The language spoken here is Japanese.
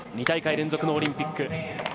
２大会連続のオリンピック。